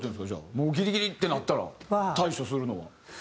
もうギリギリってなったら対処するのは。